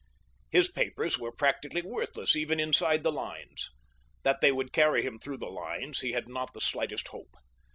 His papers were practically worthless even inside the lines. That they would carry him through the lines he had not the slightest hope.